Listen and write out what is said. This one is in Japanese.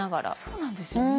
そうなんですよね。